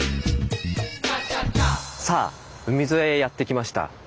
さあ海沿いへやって来ました。